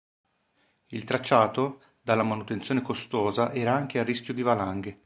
Il tracciato, dalla manutenzione costosa era anche a rischio di valanghe.